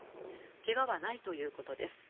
怪我はないということです。